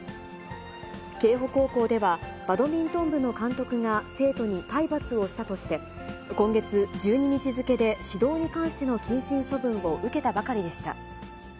瓊浦高校では、バドミントン部の監督が生徒に体罰をしたとして、今月１２日付で指導に関しての謹慎処分を受けたばかりでした。